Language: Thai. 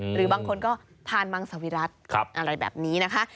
หรือบางคนก็ทานมังสวิรัติอะไรแบบนี้นะคะ